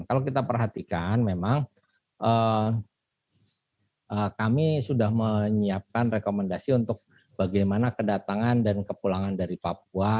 kalau kita perhatikan memang kami sudah menyiapkan rekomendasi untuk bagaimana kedatangan dan kepulangan dari papua